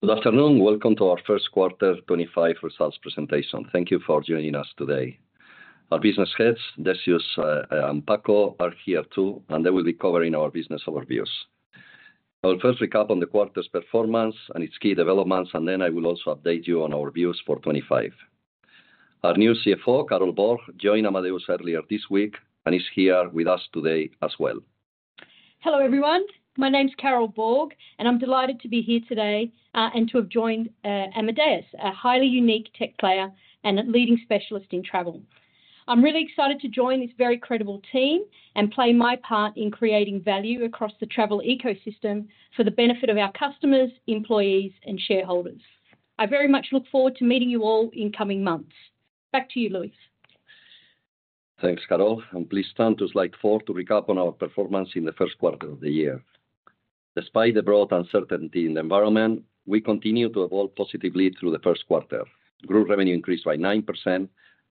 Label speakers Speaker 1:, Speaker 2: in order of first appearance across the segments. Speaker 1: Good afternoon. Welcome to our first quarter 2025 results presentation. Thank you for joining us today. Our Business Heads, Decius and Paco, are here too, and they will be covering our business overviews. I will first recap on the quarter's performance and its key developments, and then I will also update you on our views for 2025. Our new CFO, Carol Borg, joined Amadeus earlier this week and is here with us today as well.
Speaker 2: Hello everyone. My name's Carol Borg, and I'm delighted to be here today and to have joined Amadeus, a highly unique tech player and a leading specialist in travel. I'm really excited to join this very credible team and play my part in creating value across the travel ecosystem for the benefit of our customers, employees, and shareholders. I very much look forward to meeting you all in coming months. Back to you, Luis.
Speaker 1: Thanks, Carol. I'm pleased to slide four to recap on our performance in the first quarter of the year. Despite the broad uncertainty in the environment, we continue to evolve positively through the first quarter. Group revenue increased by 9%,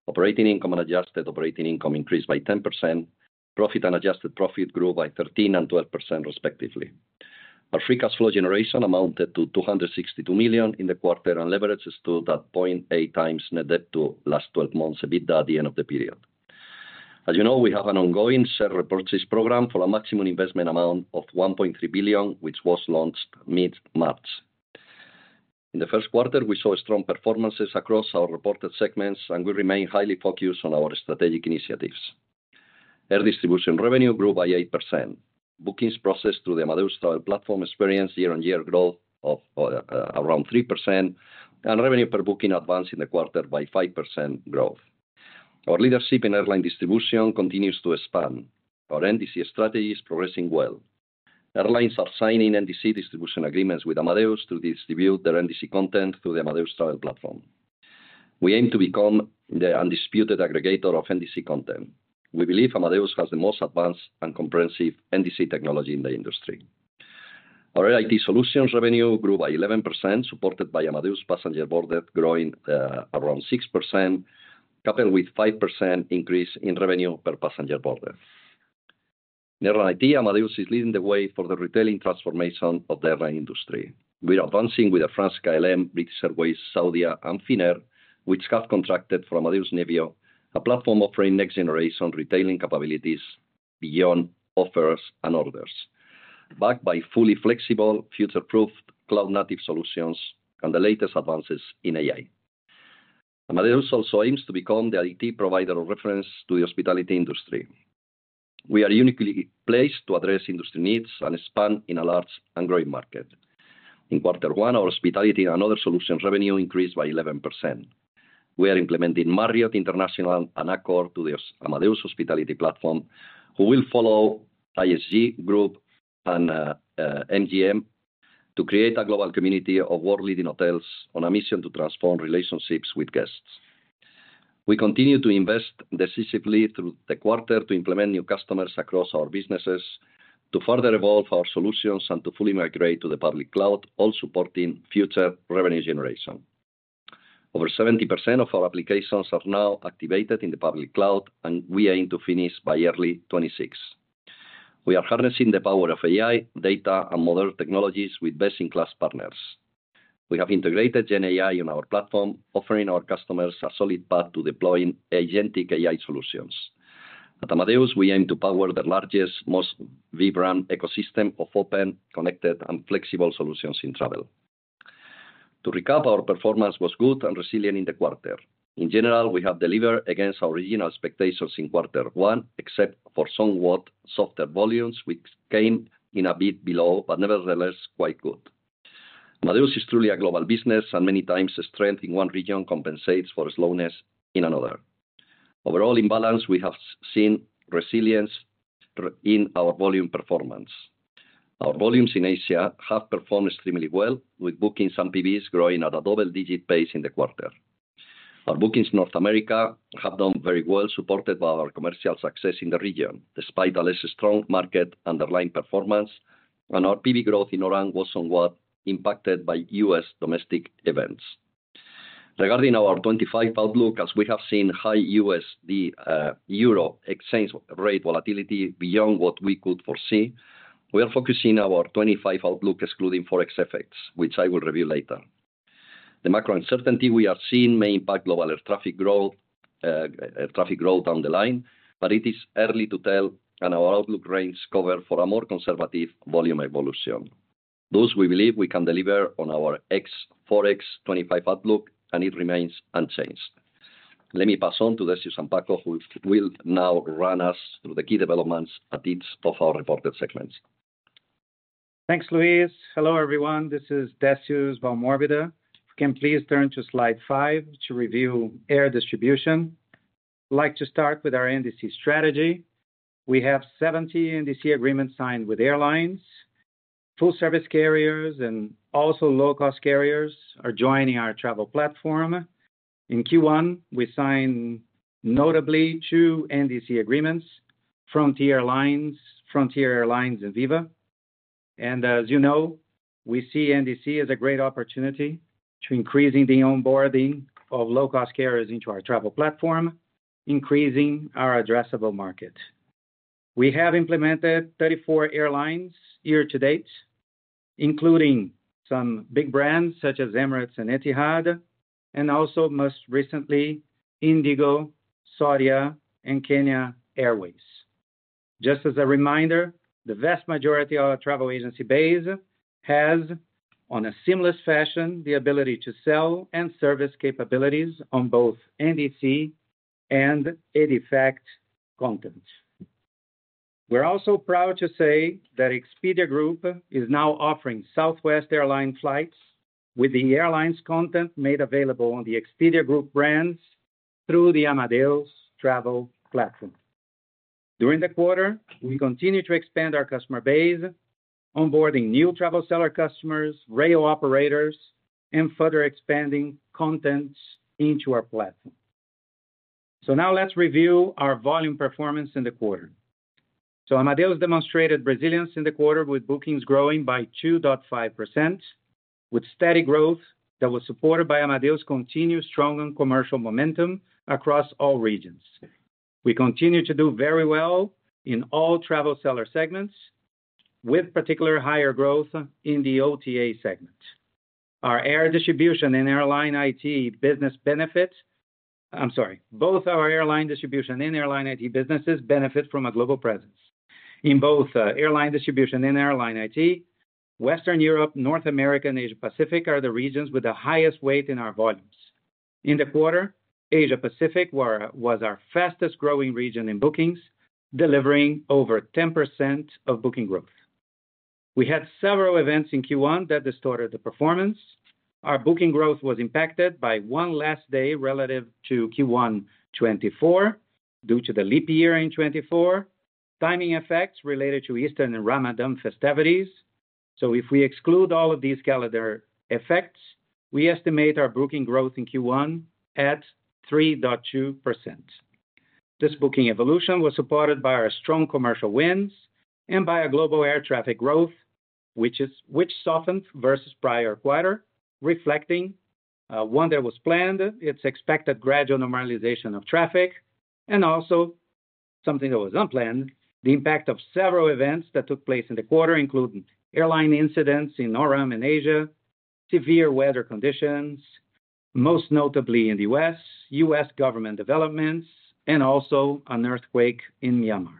Speaker 1: operating income and adjusted operating income increased by 10%, profit and adjusted profit grew by 13% and 12% respectively. Our free cash flow generation amounted to 262 million in the quarter, and leverage stood at 0.8x net debt to last 12 months EBITDA at the end of the period. As you know, we have an ongoing share repurchase program for a maximum investment amount of 1.3 billion, which was launched mid-March. In the first quarter, we saw strong performances across our reported segments, and we remain highly focused on our strategic initiatives. Air Distribution revenue grew by 8%. Bookings processed through the Amadeus Travel Platform experienced year-on-year growth of around 3%, and revenue per booking advanced in the quarter by 5% growth. Our leadership in airline distribution continues to expand. Our NDC strategy is progressing well. Airlines are signing NDC distribution agreements with Amadeus to distribute their NDC content through the Amadeus Travel Platform. We aim to become the undisputed aggregator of NDC content. We believe Amadeus has the most advanced and comprehensive NDC technology in the industry. Our Air IT Solutions revenue grew by 11%, supported by Amadeus passengers boarded, growing around 6%, coupled with a 5% increase in revenue per passenger boarded. In Air IT, Amadeus is leading the way for the retailing transformation of the airline industry. We are advancing with Air France-KLM, British Airways, Saudia, and Finnair, which have contracted for Amadeus Nebula, a platform offering next-generation retailing capabilities beyond offers and orders. Backed by fully flexible, future-proofed cloud-native solutions and the latest advances in AI. Amadeus also aims to become the IT provider of reference to the hospitality industry. We are uniquely placed to address industry needs and expand in a large and growing market. In quarter one, our Hospitality and Other Solutions revenue increased by 11%. We are implementing Marriott International and Accor to the Amadeus Hospitality Platform, who will follow IHG Hotels & Resorts and MGM to create a global community of world-leading hotels on a mission to transform relationships with guests. We continue to invest decisively through the quarter to implement new customers across our businesses, to further evolve our solutions, and to fully migrate to the public cloud, all supporting future revenue generation. Over 70% of our applications are now activated in the public cloud, and we aim to finish by early 2026. We are harnessing the power of AI, data, and modern technologies with best-in-class partners. We have integrated GenAI on our platform, offering our customers a solid path to deploying agentic AI solutions. At Amadeus, we aim to power the largest, most vibrant ecosystem of open, connected, and flexible solutions in travel. To recap, our performance was good and resilient in the quarter. In general, we have delivered against our original expectations in quarter one, except for some software volumes, which came in a bit below, but nevertheless quite good. Amadeus is truly a global business, and many times strength in one region compensates for slowness in another. Overall, in balance, we have seen resilience in our volume performance. Our volumes in Asia have performed extremely well, with bookings and PVs growing at a double-digit pace in the quarter. Our bookings in North America have done very well, supported by our commercial success in the region, despite a less strong market underlying performance, and our PV growth in Iran was somewhat impacted by U.S. domestic events. Regarding our 2025 outlook, as we have seen high USD/EUR exchange rate volatility beyond what we could foresee, we are focusing our 2025 outlook excluding forex effects, which I will review later. The macro uncertainty we are seeing may impact global air traffic growth down the line, but it is early to tell, and our outlook reigns cover for a more conservative volume evolution. Those we believe we can deliver on our ex-forex 2025 outlook, and it remains unchanged. Let me pass on to Decius and Paco, who will now run us through the key developments at each of our reported segments.
Speaker 3: Thanks, Luis. Hello everyone. This is Decius Valmorbida. Can you please turn to slide five to review air distribution? I'd like to start with our NDC strategy. We have 70 NDC agreements signed with airlines. Full-service carriers and also low-cost carriers are joining our travel platform. In Q1, we signed notably two NDC agreements: Frontier Airlines and VivaAerobus. As you know, we see NDC as a great opportunity to increase the onboarding of low-cost carriers into our travel platform, increasing our addressable market. We have implemented 34 airlines year to date, including some big brands such as Emirates and Etihad, and also most recently, IndiGo, Saudia, and Kenya Airways. Just as a reminder, the vast majority of our travel agency base has, in a seamless fashion, the ability to sell and service capabilities on both NDC and EDIFACT content. We're also proud to say that Expedia Group is now offering Southwest Airlines flights with the airline's content made available on the Expedia Group brands through the Amadeus Travel Platform. During the quarter, we continue to expand our customer base, onboarding new travel seller customers, rail operators, and further expanding content into our platform. Now let's review our volume performance in the quarter. Amadeus demonstrated resilience in the quarter with bookings growing by 2.5%, with steady growth that was supported by Amadeus' continued strong and commercial momentum across all regions. We continue to do very well in all travel seller segments, with particularly higher growth in the OTA segment. Our air distribution and airline IT business benefit—I'm sorry, both our air distribution and airline IT businesses benefit from a global presence.In both airline distribution and airline IT, Western Europe, North America, and Asia-Pacific are the regions with the highest weight in our volumes. In the quarter, Asia-Pacific was our fastest-growing region in bookings, delivering over 10% of booking growth. We had several events in Q1 that distorted the performance. Our booking growth was impacted by one last day relative to Q1 2024 due to the leap year in 2024, timing effects related to Eastern Ramadan festivities. If we exclude all of these calendar effects, we estimate our booking growth in Q1 at 3.2%. This booking evolution was supported by our strong commercial wins and by global air traffic growth, which softened versus prior quarter, reflecting one that was planned: its expected gradual normalization of traffic, and also something that was unplanned: the impact of several events that took place in the quarter, including airline incidents in Oran and Asia, severe weather conditions, most notably in the U.S., U.S. government developments, and also an earthquake in Myanmar.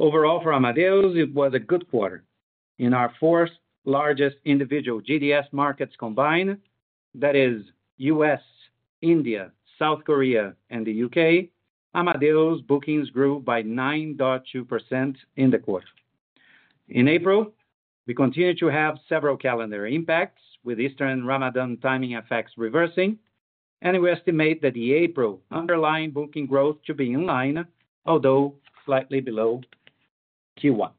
Speaker 3: Overall, for Amadeus, it was a good quarter. In our fourth-largest individual GDS markets combined, that is U.S., India, South Korea, and the U.K., Amadeus' bookings grew by 9.2% in the quarter. In April, we continue to have several calendar impacts with Eastern Ramadan timing effects reversing, and we estimate that the April airline booking growth to be in line, although slightly below Q1.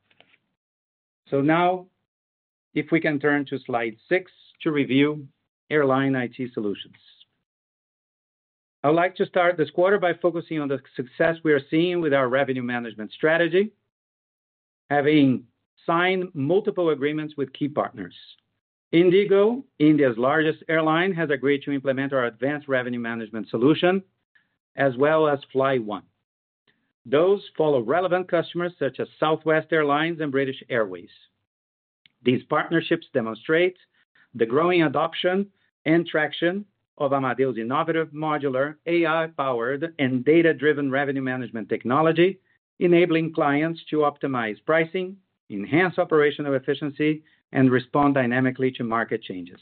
Speaker 3: Now, if we can turn to slide six to review Airline IT Solutions. I'd like to start this quarter by focusing on the success we are seeing with our revenue management strategy, having signed multiple agreements with key partners. IndiGo, India's largest airline, has agreed to implement our advanced revenue management solution, as well as Fly One. Those follow relevant customers such as Southwest Airlines and British Airways. These partnerships demonstrate the growing adoption and traction of Amadeus' innovative modular, AI-powered, and data-driven revenue management technology, enabling clients to optimize pricing, enhance operational efficiency, and respond dynamically to market changes.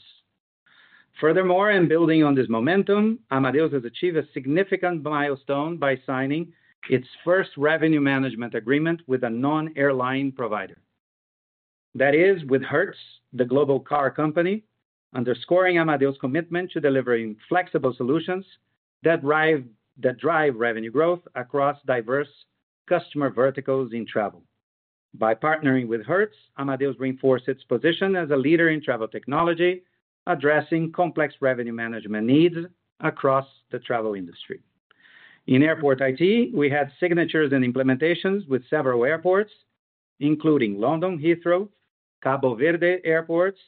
Speaker 3: Furthermore, in building on this momentum, Amadeus has achieved a significant milestone by signing its first revenue management agreement with a non-airline provider. That is, with Hertz, the global car company, underscoring Amadeus' commitment to delivering flexible solutions that drive revenue growth across diverse customer verticals in travel. By partnering with Hertz, Amadeus reinforced its position as a leader in travel technology, addressing complex revenue management needs across the travel industry. In airport IT, we had signatures and implementations with several airports, including London Heathrow, Cabo Verde Airports,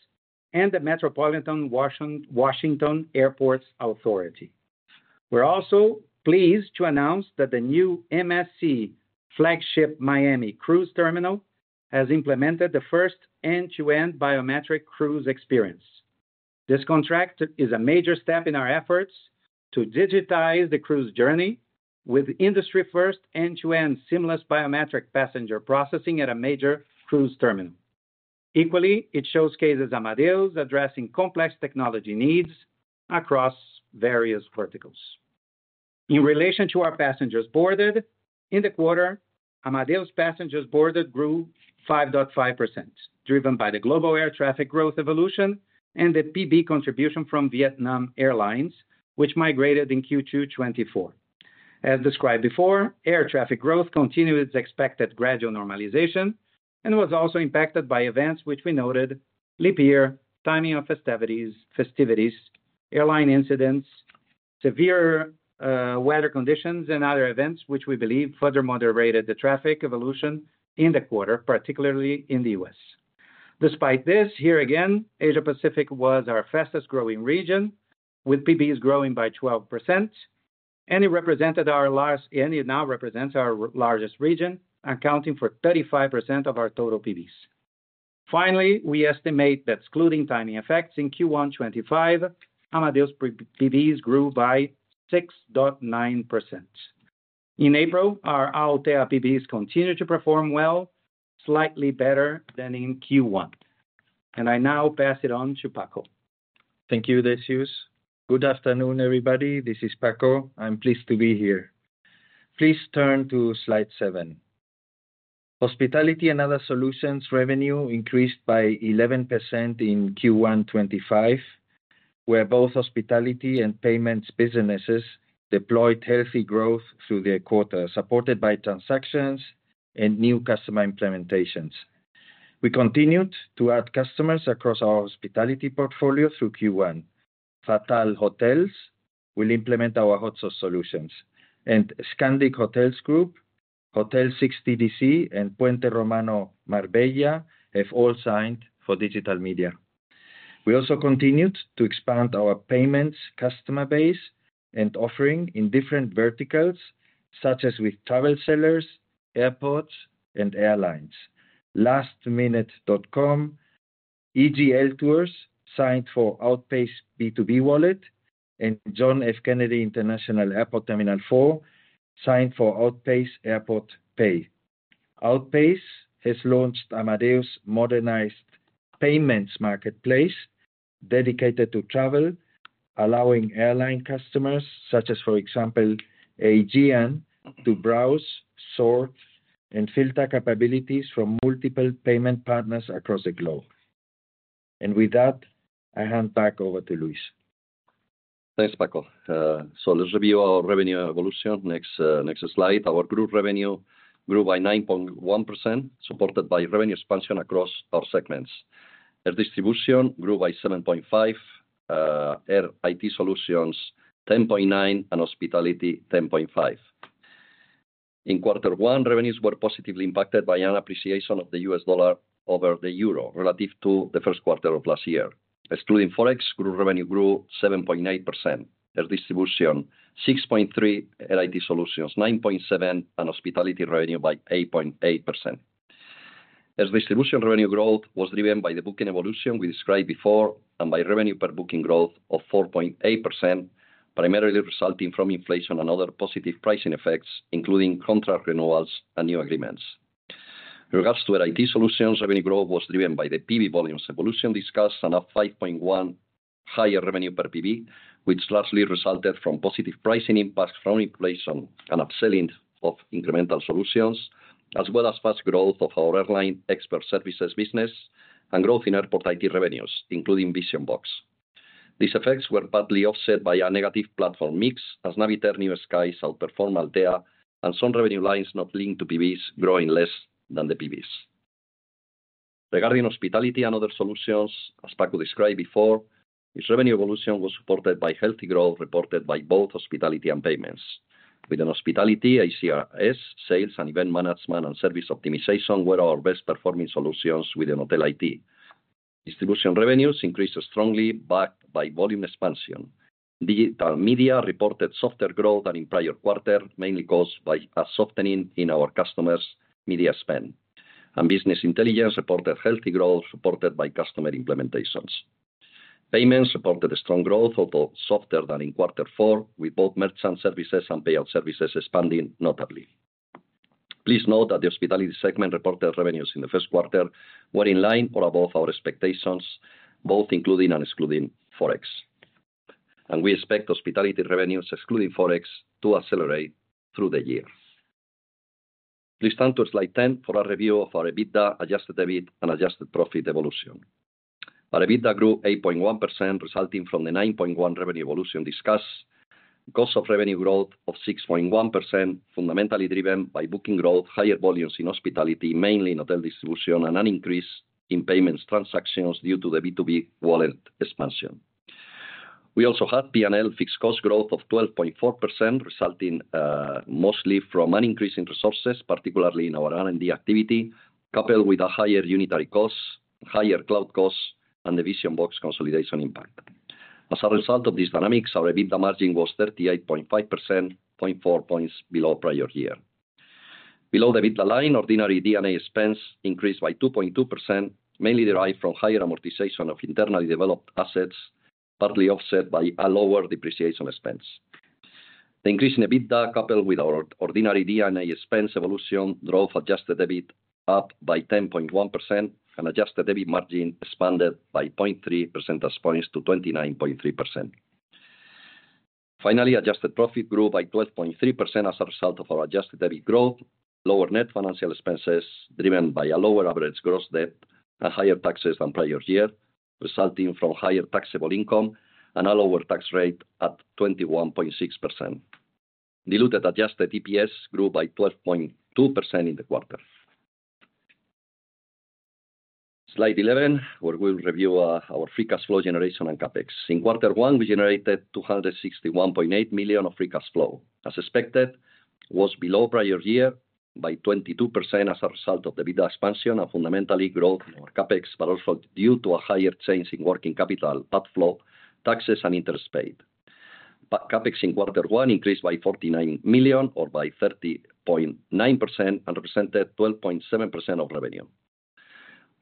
Speaker 3: and the Metropolitan Washington Airports Authority. We're also pleased to announce that the new MSC flagship Miami cruise terminal has implemented the first end-to-end biometric cruise experience. This contract is a major step in our efforts to digitize the cruise journey with industry-first end-to-end seamless biometric passenger processing at a major cruise terminal. Equally, it showcases Amadeus addressing complex technology needs across various verticals. In relation to our passengers boarded, in the quarter, Amadeus' passengers boarded grew 5.5%, driven by the global air traffic growth evolution and the PB contribution from Vietnam Airlines, which migrated in Q2 2024. As described before, air traffic growth continued its expected gradual normalization and was also impacted by events which we noted: leap year, timing of festivities, airline incidents, severe weather conditions, and other events which we believe further moderated the traffic evolution in the quarter, particularly in the U.S. Despite this, here again, Asia-Pacific was our fastest-growing region, with PBs growing by 12%, and it now represents our largest region, accounting for 35% of our total PBs. Finally, we estimate that excluding timing effects in Q1 2025, Amadeus' PBs grew by 6.9%. In April, our Altéa PBs continued to perform well, slightly better than in Q1. I now pass it on to Paco.
Speaker 4: Thank you, Decius. Good afternoon, everybody. This is Paco. I'm pleased to be here. Please turn to slide seven. Hospitality and Other Solutions revenue increased by 11% in Q1 2025, where both hospitality and payments businesses deployed healthy growth through the quarter, supported by transactions and new customer implementations. We continued to add customers across our hospitality portfolio through Q1. Fatal Hotels will implement our Hot Source solutions. Scandic Hotels Group, Hotel 6DDC, and Puente Romano Marbella have all signed for Digital Media. We also continued to expand our payments customer base and offering in different verticals, such as with travel sellers, airports, and airlines. Lastminute.com and EGL Tours signed for Outpays B2B Wallet, and John F. Kennedy International Airport Terminal 4 signed for Outpays Airport Pay. Outpays has launched Amadeus' modernized payments marketplace dedicated to travel, allowing airline customers, such as, for example, Aegean, to browse, sort, and filter capabilities from multiple payment partners across the globe. With that, I hand back over to Luis.
Speaker 1: Thanks, Paco. Let's review our revenue evolution. Next slide. Our group revenue grew by 9.1%, supported by revenue expansion across our segments. Air Distribution grew by 7.5%, Air IT Solutions 10.9%, and Hospitality 10.5%. In quarter one, revenues were positively impacted by an appreciation of the US dollar over the euro relative to the first quarter of last year. Excluding forex, group revenue grew 7.8%. Air Distribution 6.3%, Air IT Solutions 9.7%, and Hospitality revenue by 8.8%. Air Distribution revenue growth was driven by the booking evolution we described before and by revenue per booking growth of 4.8%, primarily resulting from inflation and other positive pricing effects, including contract renewals and new agreements. In regards to Air IT Solutions, revenue growth was driven by the PV volumes evolution discussed and a 5.1% higher revenue per PV, which largely resulted from positive pricing impacts from inflation and upselling of incremental solutions, as well as fast growth of our airline expert services business and growth in airport IT revenues, including Vision-Box. These effects were partly offset by a negative platform mix, as Navitaire, NewSkies, SouthPerform, Altéa, and some revenue lines not linked to PVs growing less than the PVs. Regarding Hospitality and Other Solutions, as Paco described before, its revenue evolution was supported by healthy growth reported by both hospitality and payments. Within hospitality, ACRS, sales, and event management and service optimization were our best-performing solutions within hotel IT. Distribution revenues increased strongly, backed by volume expansion. Digital Media reported softer growth than in prior quarter, mainly caused by a softening in our customers' media spend. Business Intelligence reported healthy growth supported by customer implementations. Payments reported strong growth, although softer than in quarter four, with both merchant services and payout services expanding notably. Please note that the Hospitality segment reported revenues in the first quarter were in line or above our expectations, both including and excluding forex. We expect Hospitality revenues, excluding forex, to accelerate through the year. Please turn to slide 10 for a review of our EBITDA, Adjusted EBIT, and adjusted profit evolution. Our EBITDA grew 8.1%, resulting from the 9.1% revenue evolution discussed, a cost of revenue growth of 6.1%, fundamentally driven by booking growth, higher volumes in Hospitality, mainly in hotel distribution, and an increase in payments transactions due to the B2B Wallet expansion. We also had P&L fixed cost growth of 12.4%, resulting mostly from an increase in resources, particularly in our R&D activity, coupled with a higher unitary cost, higher cloud cost, and the Vision-Box consolidation impact. As a result of these dynamics, our EBITDA margin was 38.5%, 0.4 percentage points below prior year. Below the EBITDA line, ordinary D&A expense increased by 2.2%, mainly derived from higher amortization of internally developed assets, partly offset by a lower depreciation expense. The increase in EBITDA, coupled with our ordinary D&A expense evolution, drove Adjusted EBIT up by 10.1%, and Adjusted EBIT margin expanded by 0.3 percentage points to 29.3%. Finally, adjusted profit grew by 12.3% as a result of our Adjusted EBIT growth, lower net financial expenses driven by a lower average gross debt and higher taxes than prior year, resulting from higher taxable income and a lower tax rate at 21.6%. Diluted adjusted EPS grew by 12.2% in the quarter. Slide 11, where we'll review our free cash flow generation and CapEx. In quarter one, we generated 261.8 million of free cash flow. As expected, it was below prior year by 22% as a result of the EBITDA expansion and fundamentally growth in our CapEx, but also due to a higher change in working capital outflow, taxes, and interest paid. CapEx in quarter one increased by 49 million or by 30.9% and represented 12.7% of revenue.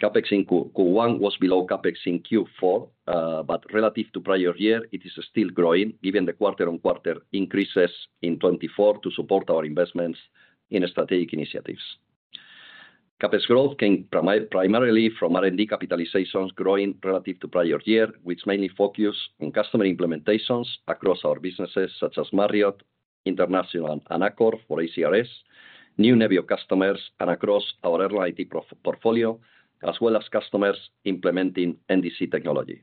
Speaker 1: CapEx in Q1 was below CapEx in Q4, but relative to prior year, it is still growing, given the quarter-on-quarter increases in 2024 to support our investments in strategic initiatives. CapEx growth came primarily from R&D capitalizations growing relative to prior year, which mainly focused on customer implementations across our businesses such as Marriott International and Accor for ACRS, new Nebula customers, and across our airline IT portfolio, as well as customers implementing NDC technology.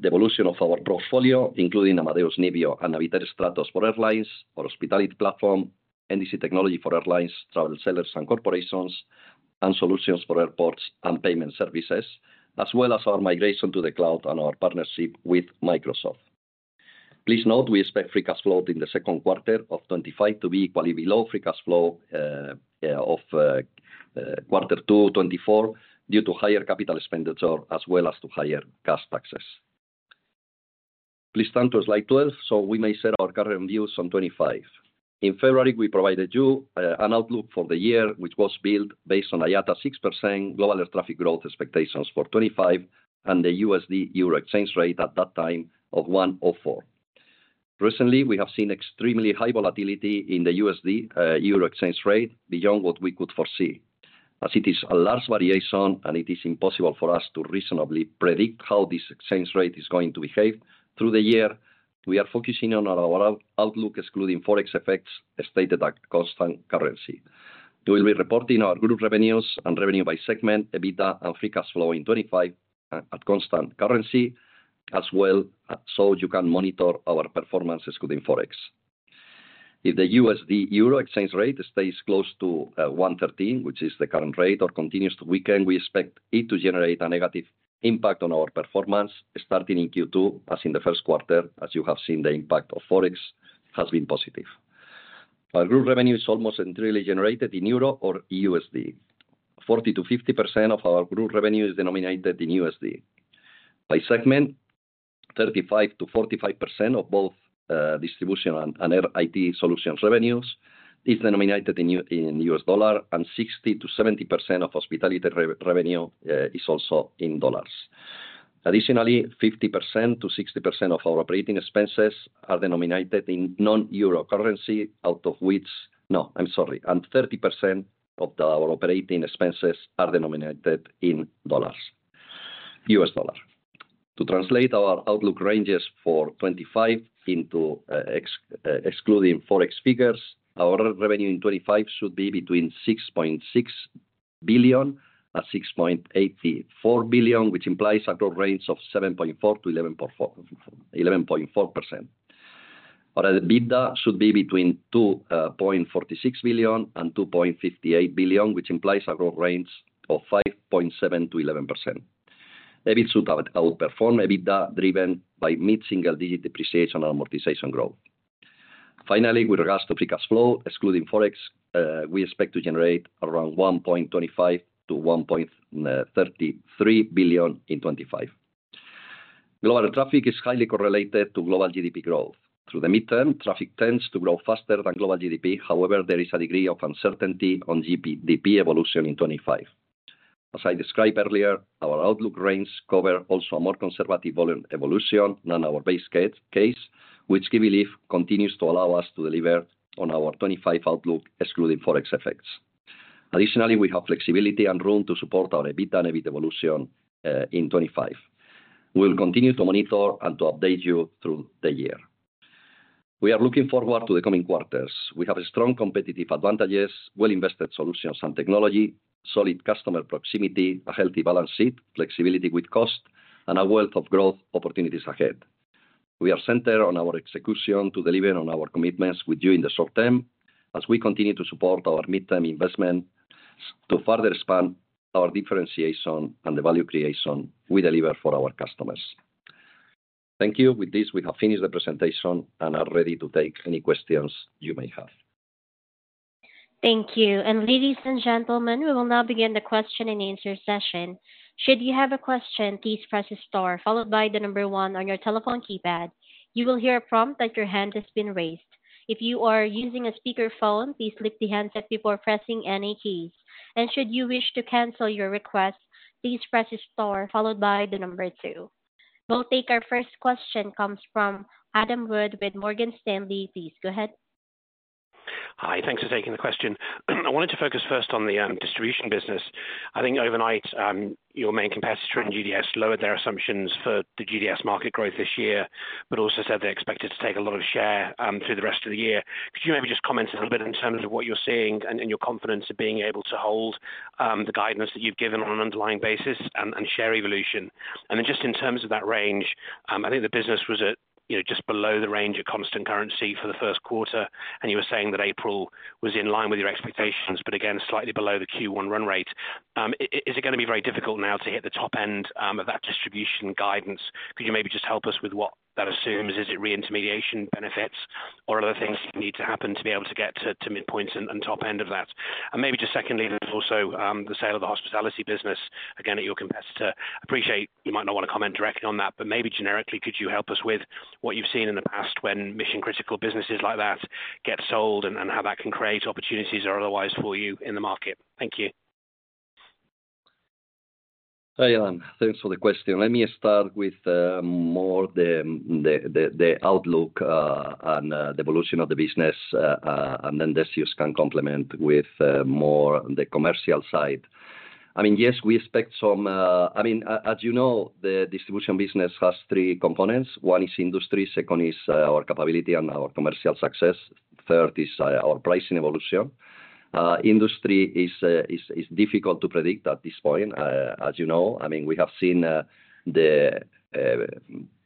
Speaker 1: The evolution of our portfolio, including Amadeus Nebula and Navitaire Stratos for airlines, our hospitality platform, NDC technology for airlines, travel sellers and corporations, and solutions for airports and payment services, as well as our migration to the cloud and our partnership with Microsoft. Please note we expect free cash flow in the second quarter of 2025 to be equally below free cash flow of quarter two 2024 due to higher capital expenditure as well as to higher gas taxes. Please turn to slide 12 so we may share our current views on 2025. In February, we provided you an outlook for the year, which was built based on IATA 6% global air traffic growth expectations for 2025 and the USD/EUR exchange rate at that time of 1.04. Recently, we have seen extremely high volatility in the USD/EUR exchange rate beyond what we could foresee. As it is a large variation and it is impossible for us to reasonably predict how this exchange rate is going to behave through the year, we are focusing on our outlook excluding forex effects, stated at constant currency. We will be reporting our group revenues and revenue by segment, EBITDA, and free cash flow in 2025 at constant currency, as well so you can monitor our performance excluding forex. If the USD/EUR exchange rate stays close to 1.13, which is the current rate, or continues to weaken, we expect it to generate a negative impact on our performance starting in Q2, as in the first quarter, as you have seen the impact of forex has been positive. Our group revenue is almost entirely generated in euro or USD. 40%-50% of our group revenue is denominated in USD. By segment, 35%-45% of both distribution and air IT solutions revenues is denominated in USD, and 60%-70% of hospitality revenue is also in dollars. Additionally, 50%-60% of our operating expenses are denominated in non-euro currency, out of which, no, I'm sorry, and 30% of our operating expenses are denominated in USD. To translate our outlook ranges for 2025 into excluding forex figures, our revenue in 2025 should be between 6.6 billion and 6.84 billion, which implies a growth range of 7.4%-11.4%. Our EBITDA should be between 2.46 billion and 2.58 billion, which implies a growth range of 5.7%-11%. EBIT should outperform EBITDA driven by mid-single-digit depreciation and amortization growth. Finally, with regards to free cash flow, excluding forex, we expect to generate around 1.25 billion-1.33 billion in 2025. Global traffic is highly correlated to global GDP growth. Through the midterm, traffic tends to grow faster than global GDP. However, there is a degree of uncertainty on GDP evolution in 2025. As I described earlier, our outlook range covers also a more conservative volume evolution than our base case, which we believe continues to allow us to deliver on our 2025 outlook, excluding forex effects. Additionally, we have flexibility and room to support our EBITDA and EBIT evolution in 2025. We'll continue to monitor and to update you through the year. We are looking forward to the coming quarters. We have strong competitive advantages, well-invested solutions and technology, solid customer proximity, a healthy balance sheet, flexibility with cost, and a wealth of growth opportunities ahead. We are centered on our execution to deliver on our commitments with you in the short term as we continue to support our midterm investment to further expand our differentiation and the value creation we deliver for our customers. Thank you. With this, we have finished the presentation and are ready to take any questions you may have.
Speaker 5: Thank you. Ladies and gentlemen, we will now begin the question-and-answer session. Should you have a question, please press the star, followed by the number one on your telephone keypad. You will hear a prompt that your hand has been raised. If you are using a speakerphone, please lift the handset before pressing any keys. Should you wish to cancel your request, please press the star, followed by the number two. Our first question comes from Adam Wood with Morgan Stanley. Please go ahead.
Speaker 6: Hi. Thanks for taking the question. I wanted to focus first on the distribution business. I think overnight, your main competitor in GDS lowered their assumptions for the GDS market growth this year, but also said they expected to take a lot of share through the rest of the year. Could you maybe just comment a little bit in terms of what you're seeing and your confidence of being able to hold the guidance that you've given on an underlying basis and share evolution? In terms of that range, I think the business was just below the range of constant currency for the first quarter, and you were saying that April was in line with your expectations, but again, slightly below the Q1 run rate. Is it going to be very difficult now to hit the top end of that distribution guidance? Could you maybe just help us with what that assumes? Is it re-intermediation benefits or other things that need to happen to be able to get to midpoint and top end of that? Maybe just secondly, there's also the sale of the hospitality business, again, at your competitor. Appreciate you might not want to comment directly on that, but maybe generically, could you help us with what you've seen in the past when mission-critical businesses like that get sold and how that can create opportunities or otherwise for you in the market? Thank you.
Speaker 1: Hi, Adam. Thanks for the question. Let me start with more the outlook and the evolution of the business, and then Decius can complement with more the commercial side. I mean, yes, we expect some, I mean, as you know, the distribution business has three components. One is industry, second is our capability and our commercial success. Third is our pricing evolution. Industry is difficult to predict at this point, as you know. I mean, we have seen the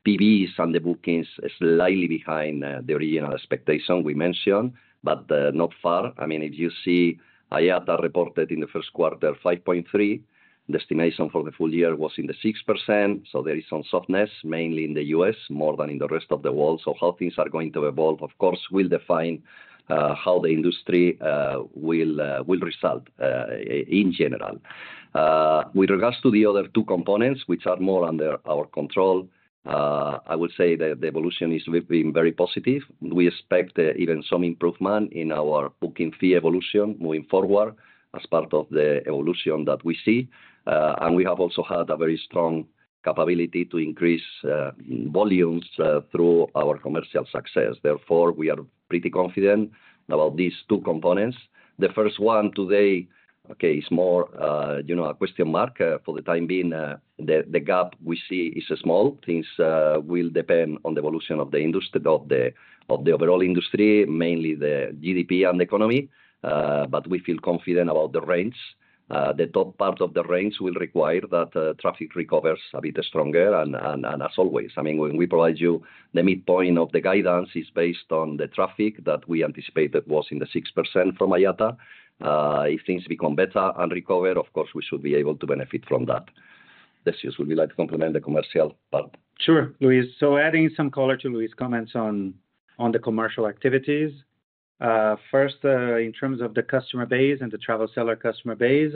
Speaker 1: PVs and the bookings slightly behind the original expectation we mentioned, but not far. I mean, if you see IATA reported in the first quarter 5.3%, the estimation for the full year was in the 6%. There is some softness, mainly in the U.S., more than in the rest of the world. How things are going to evolve, of course, will define how the industry will result in general. With regards to the other two components, which are more under our control, I would say that the evolution has been very positive. We expect even some improvement in our booking fee evolution moving forward as part of the evolution that we see. We have also had a very strong capability to increase volumes through our commercial success. Therefore, we are pretty confident about these two components. The first one today, okay, is more a question mark for the time being. The gap we see is small. Things will depend on the evolution of the overall industry, mainly the GDP and the economy, but we feel confident about the range. The top part of the range will require that traffic recovers a bit stronger. As always, I mean, when we provide you the midpoint of the guidance, it is based on the traffic that we anticipated was in the 6% from IATA. If things become better and recover, of course, we should be able to benefit from that. Decius, would you like to complement the commercial part?
Speaker 3: Sure, Luis. Adding some color to Luis' comments on the commercial activities. First, in terms of the customer base and the travel seller customer base,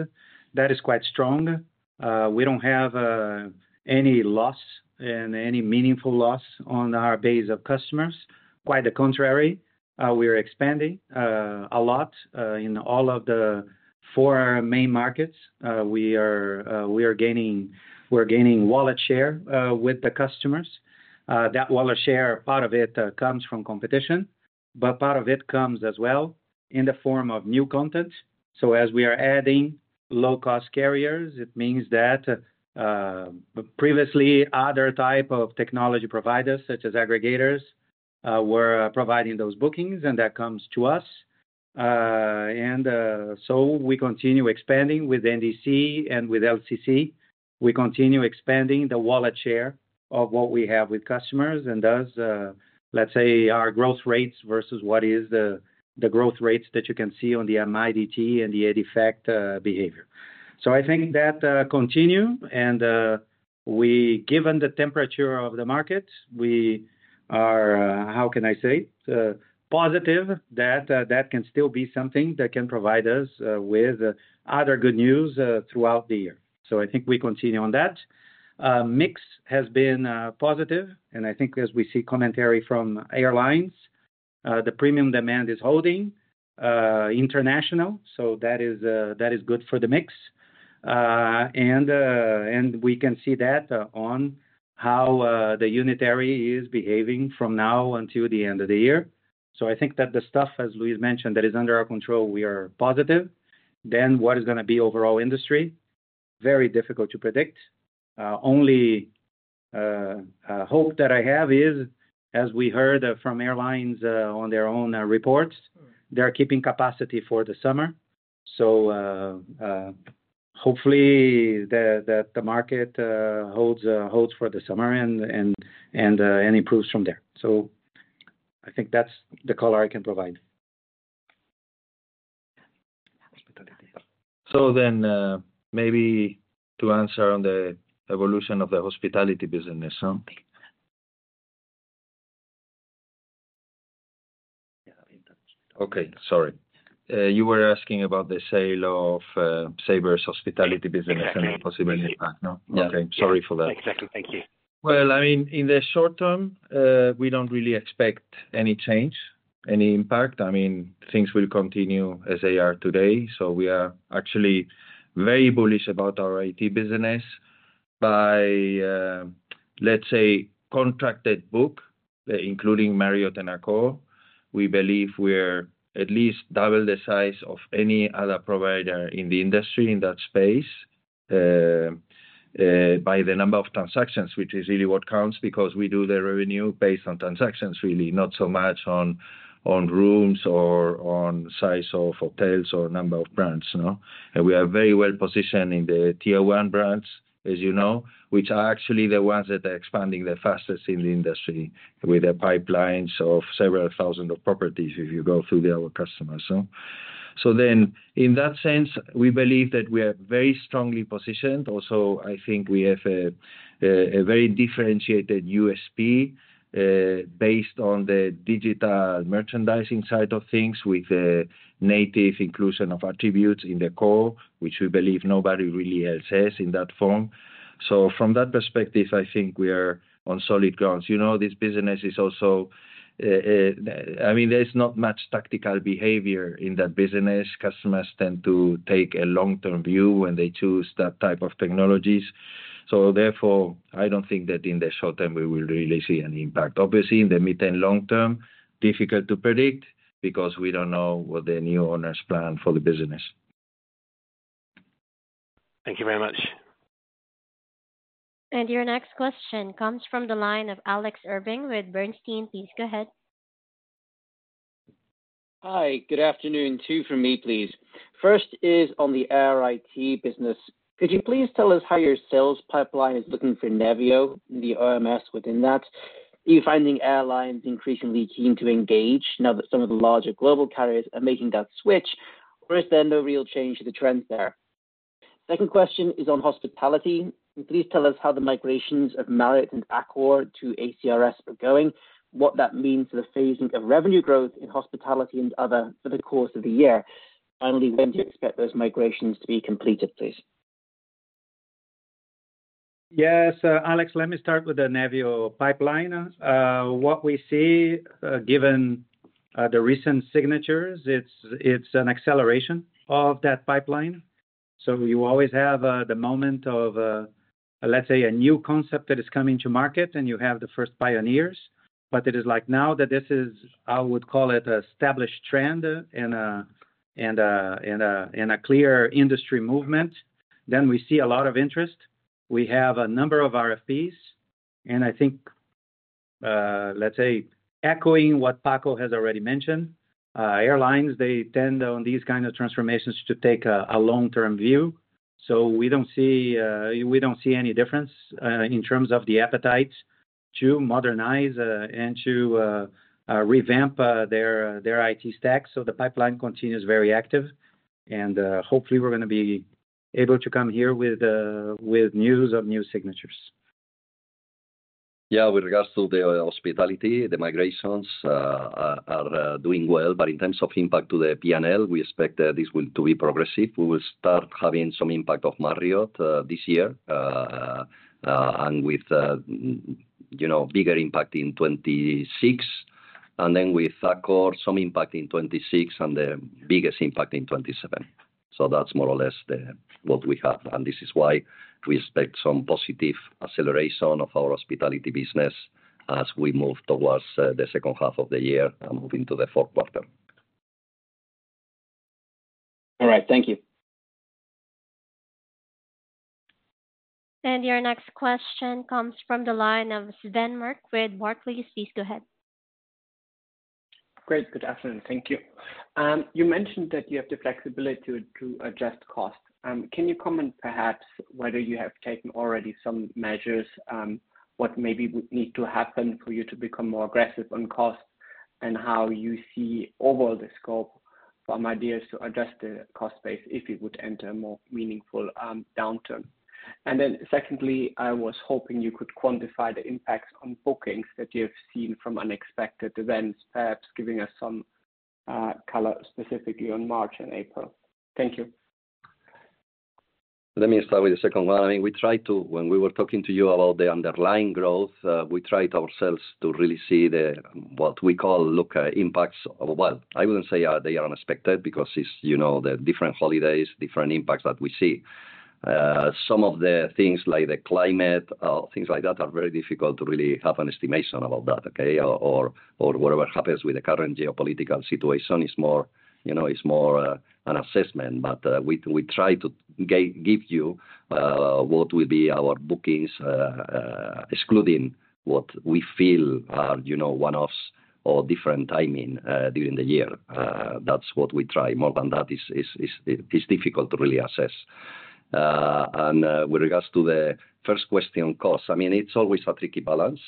Speaker 3: that is quite strong. We do not have any loss and any meaningful loss on our base of customers. Quite the contrary, we are expanding a lot in all of the four main markets. We are gaining wallet share with the customers. That wallet share, part of it comes from competition, but part of it comes as well in the form of new content. As we are adding low-cost carriers, it means that previously other types of technology providers, such as aggregators, were providing those bookings, and that comes to us. We continue expanding with NDC and with LCC. We continue expanding the wallet share of what we have with customers and does, let's say, our growth rates versus what is the growth rates that you can see on the MIDT and the EDIFACT behavior. I think that continue, and given the temperature of the market, we are, how can I say, positive that that can still be something that can provide us with other good news throughout the year. I think we continue on that. Mix has been positive, and I think as we see commentary from airlines, the premium demand is holding international, so that is good for the mix. We can see that on how the unitary is behaving from now until the end of the year. I think that the stuff, as Luis mentioned, that is under our control, we are positive. What is going to be overall industry? Very difficult to predict. Only hope that I have is, as we heard from airlines on their own reports, they're keeping capacity for the summer. Hopefully that the market holds for the summer and improves from there. I think that's the color I can provide.
Speaker 1: Then maybe to answer on the evolution of the hospitality business, huh? Okay, sorry. You were asking about the sale of Sabre's hospitality business and the possible impact, no? Okay, sorry for that.
Speaker 6: Exactly, thank you.
Speaker 1: I mean, in the short term, we do not really expect any change, any impact. I mean, things will continue as they are today. We are actually very bullish about our IT business. By, let's say, contracted book, including Marriott and Accor, we believe we are at least double the size of any other provider in the industry in that space by the number of transactions, which is really what counts because we do the revenue based on transactions, really, not so much on rooms or on size of hotels or number of brands, no? We are very well positioned in the tier one brands, as you know, which are actually the ones that are expanding the fastest in the industry with the pipelines of several thousand of properties if you go through our customers, no? In that sense, we believe that we are very strongly positioned. Also, I think we have a very differentiated USP based on the digital merchandising side of things with the native inclusion of attributes in the core, which we believe nobody really else has in that form. From that perspective, I think we are on solid grounds. You know, this business is also, I mean, there's not much tactical behavior in that business. Customers tend to take a long-term view when they choose that type of technologies. Therefore, I do not think that in the short term we will really see an impact. Obviously, in the mid and long term, difficult to predict because we do not know what the new owners plan for the business.
Speaker 6: Thank you very much.
Speaker 5: Your next question comes from the line of Alex Irving with Bernstein. Please go ahead.
Speaker 7: Hi, good afternoon too from me, please. First is on the Air IT business. Could you please tell us how your sales pipeline is looking for Navitaire, the OMS within that? Are you finding airlines increasingly keen to engage now that some of the larger global carriers are making that switch, or is there no real change to the trends there? Second question is on hospitality. Please tell us how the migrations of Marriott and Accor to ACRS are going, what that means for the phasing of revenue growth in Hospitality and Other for the course of the year. Finally, when do you expect those migrations to be completed, please?
Speaker 3: Yeah, so Alex, let me start with the Navitaire pipeline. What we see, given the recent signatures, it's an acceleration of that pipeline. You always have the moment of, let's say, a new concept that is coming to market, and you have the first pioneers. It is like now that this is, I would call it, an established trend and a clear industry movement. We see a lot of interest. We have a number of RFPs, and I think, let's say, echoing what Paco has already mentioned, airlines, they tend on these kinds of transformations to take a long-term view. We do not see any difference in terms of the appetite to modernize and to revamp their IT stack. The pipeline continues very active, and hopefully we're going to be able to come here with news of new signatures.
Speaker 1: Yeah, with regards to the hospitality, the migrations are doing well, but in terms of impact to the P&L, we expect this to be progressive. We will start having some impact of Marriott this year and with a bigger impact in 2026, and then with Accor, some impact in 2026, and the biggest impact in 2027. That is more or less what we have, and this is why we expect some positive acceleration of our hospitality business as we move towards the second half of the year and moving to the fourth quarter.
Speaker 7: All right, thank you.
Speaker 5: Your next question comes from the line of Sven Merkt with Barclays. Please go ahead.
Speaker 8: Great. Good afternoon. Thank you. You mentioned that you have the flexibility to adjust costs. Can you comment perhaps whether you have taken already some measures, what maybe would need to happen for you to become more aggressive on costs, and how you see overall the scope from ideas to adjust the cost base if you would enter a more meaningful downturn? Secondly, I was hoping you could quantify the impacts on bookings that you have seen from unexpected events, perhaps giving us some color specifically on March and April. Thank you.
Speaker 1: Let me start with the second one. I mean, we tried to, when we were talking to you about the underlying growth, we tried ourselves to really see what we call impacts overall. I would not say they are unexpected because it is the different holidays, different impacts that we see. Some of the things like the climate or things like that are very difficult to really have an estimation about that, okay, or whatever happens with the current geopolitical situation is more an assessment. We try to give you what would be our bookings, excluding what we feel are one-offs or different timing during the year. That is what we try. More than that, it is difficult to really assess. With regards to the first question, costs, I mean, it is always a tricky balance.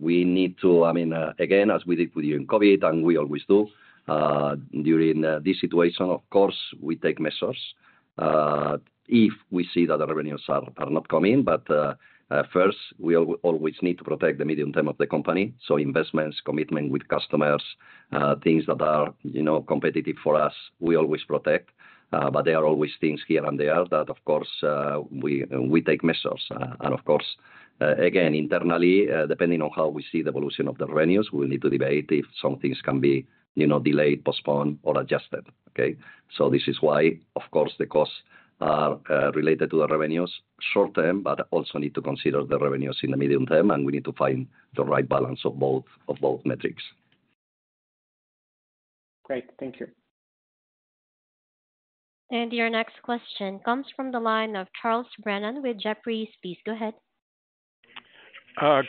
Speaker 1: We need to, I mean, again, as we did with you in COVID, and we always do during this situation, of course, we take measures if we see that the revenues are not coming. First, we always need to protect the medium term of the company. Investments, commitment with customers, things that are competitive for us, we always protect. There are always things here and there that, of course, we take measures. Of course, again, internally, depending on how we see the evolution of the revenues, we will need to debate if some things can be delayed, postponed, or adjusted, okay? This is why, of course, the costs are related to the revenues short term, but also need to consider the revenues in the medium term, and we need to find the right balance of both metrics.
Speaker 8: Great, thank you.
Speaker 5: Your next question comes from the line of Charles Brennan with Jefferies. Please go ahead.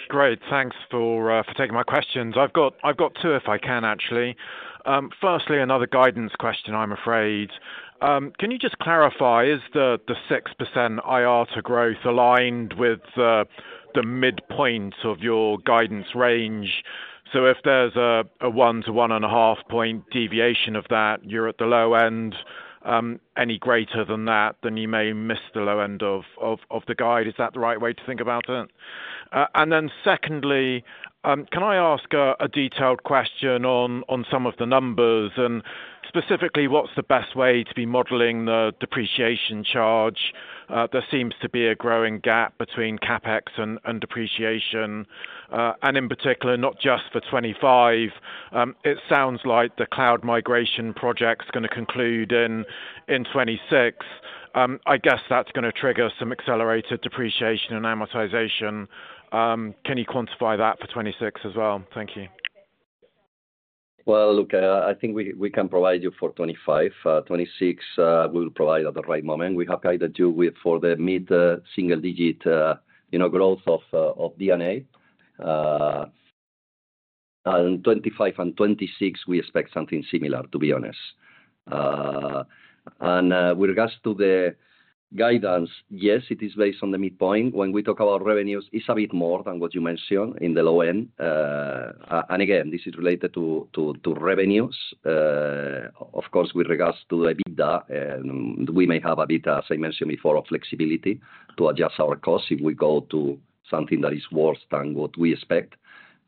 Speaker 9: Great. Thanks for taking my questions. I've got two if I can, actually. Firstly, another guidance question, I'm afraid. Can you just clarify, is the 6% IATA growth aligned with the midpoint of your guidance range? If there's a one to one and a half point deviation of that, you're at the low end. Any greater than that, then you may miss the low end of the guide. Is that the right way to think about it? Secondly, can I ask a detailed question on some of the numbers? Specifically, what's the best way to be modeling the depreciation charge? There seems to be a growing gap between CapEx and depreciation. In particular, not just for 2025. It sounds like the cloud migration project's going to conclude in 2026. I guess that's going to trigger some accelerated depreciation and amortization. Can you quantify that for 2026 as well? Thank you.
Speaker 1: Look, I think we can provide you for 2025. 2026, we'll provide at the right moment. We have guided you for the mid single-digit growth of D&A. In 2025 and 2026, we expect something similar, to be honest. With regards to the guidance, yes, it is based on the midpoint. When we talk about revenues, it is a bit more than what you mentioned in the low end. Again, this is related to revenues. Of course, with regards to the EBITDA, we may have a bit, as I mentioned before, of flexibility to adjust our costs if we go to something that is worse than what we expect.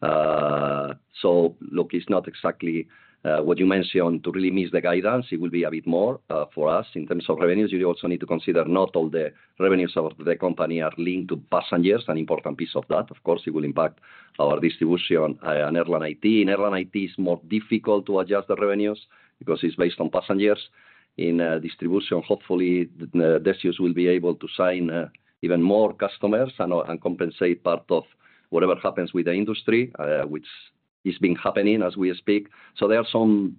Speaker 1: It is not exactly what you mentioned to really miss the guidance. It will be a bit more for us in terms of revenues. You also need to consider not all the revenues of the company are linked to passengers, an important piece of that. Of course, it will impact our distribution and airline IT. In airline IT, it's more difficult to adjust the revenues because it's based on passengers. In distribution, hopefully, Decius will be able to sign even more customers and compensate part of whatever happens with the industry, which is being happening as we speak. There are some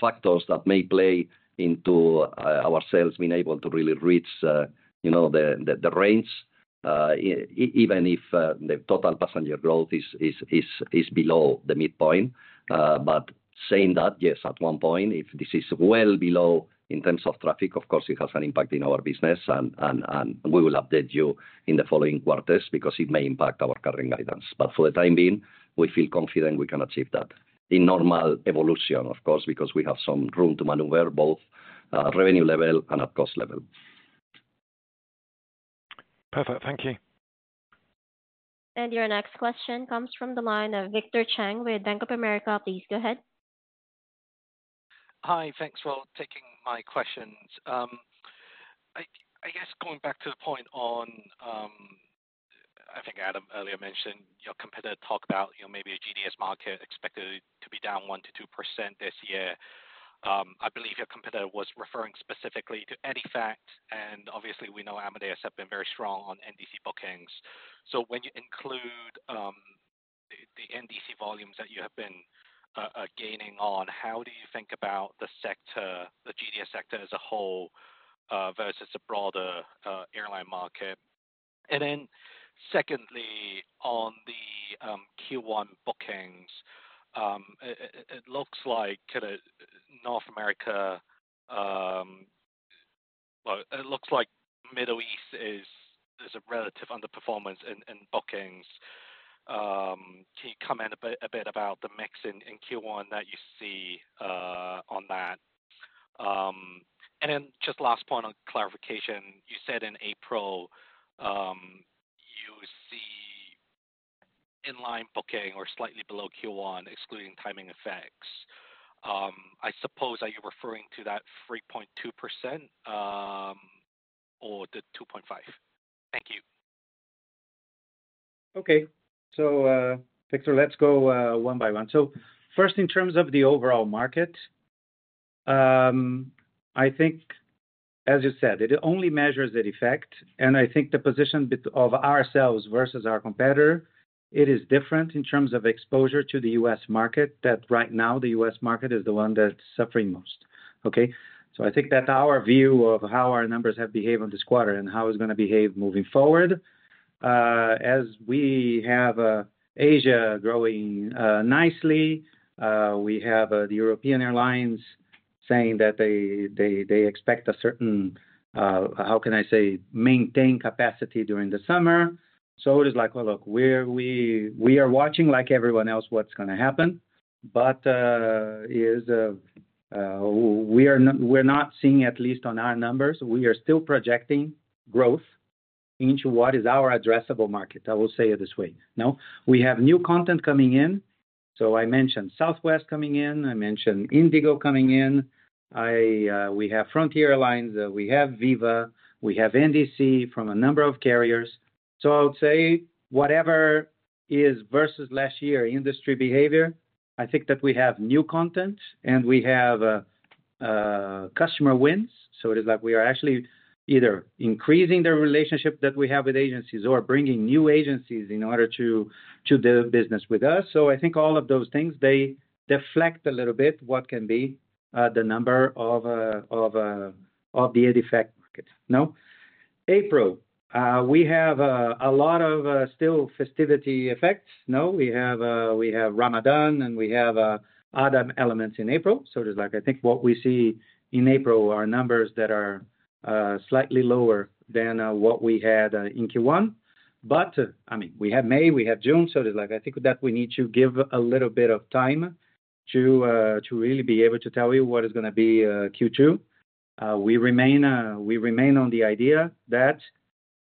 Speaker 1: factors that may play into our sales being able to really reach the range, even if the total passenger growth is below the midpoint. But saying that, yes, at one point, if this is well below in terms of traffic, of course, it has an impact in our business, and we will update you in the following quarters because it may impact our current guidance. For the time being, we feel confident we can achieve that in normal evolution, of course, because we have some room to maneuver both at revenue level and at cost level.
Speaker 9: Perfect, thank you.
Speaker 5: Your next question comes from the line of Victor Cheng with Bank of America. Please go ahead.
Speaker 10: Hi, thanks for taking my questions. I guess going back to the point on, I think Adam earlier mentioned your competitor talked about maybe a GDS market expected to be down 1-2% this year. I believe your competitor was referring specifically to EDIFACT, and obviously, we know Amadeus have been very strong on NDC bookings. When you include the NDC volumes that you have been gaining on, how do you think about the GDS sector as a whole versus a broader airline market? Secondly, on the Q1 bookings, it looks like North America, it looks like Middle East is a relative underperformance in bookings. Can you comment a bit about the mix in Q1 that you see on that? Just last point on clarification, you said in April you see inline booking or slightly below Q1, excluding timing effects. I suppose are you referring to that 3.2% or the 2.5%? Thank you.
Speaker 3: Okay. Victor, let's go one by one. First, in terms of the overall market, I think, as you said, it only measures EDIFACT. I think the position of ourselves versus our competitor, it is different in terms of exposure to the U.S. market. Right now the U.S. market is the one that's suffering most, okay? I think that our view of how our numbers have behaved on this quarter and how it's going to behave moving forward, as we have Asia growing nicely, we have the European airlines saying that they expect a certain, how can I say, maintain capacity during the summer. It is like, look, we are watching like everyone else what's going to happen. We're not seeing, at least on our numbers, we are still projecting growth into what is our addressable market. I will say it this way. We have new content coming in. I mentioned Southwest coming in. I mentioned IndiGo coming in. We have Frontier Airlines. We have Viva. We have NDC from a number of carriers. I would say whatever is versus last year industry behavior, I think that we have new content and we have customer wins. It is like we are actually either increasing the relationship that we have with agencies or bringing new agencies in order to do the business with us. I think all of those things, they deflect a little bit what can be the number of the EDIFACT market. April, we have a lot of still festivity effects. We have Ramadan and we have other elements in April. It is like, I think what we see in April are numbers that are slightly lower than what we had in Q1. I mean, we have May, we have June. It is like, I think that we need to give a little bit of time to really be able to tell you what is going to be Q2. We remain on the idea that